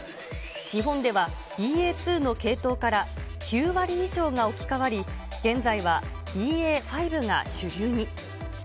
日本ではＢＡ．２の系統から９割以上が置き換わり、現在はＢＡ．５が主流に。